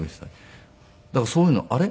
だからそういうのあれ？